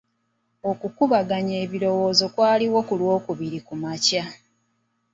Okukubaganya ebirowoozo kwaliwo ku lwokubiri kumakya.